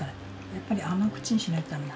やっぱり甘口にしないと駄目だ。